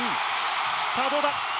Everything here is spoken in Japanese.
さあ、どうだ？